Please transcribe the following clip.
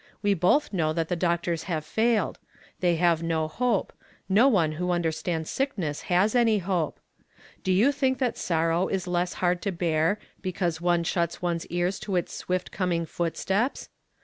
We both know that the doctors have failed. They have no hope ; no one, who understands sickness has any iiope. Do you think that sor row is less hard to bear because one shuts one's ears to its swift coming footsteps?